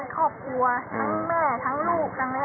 อีกราย